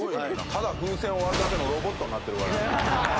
ただ風船を割るだけのロボットになってるから。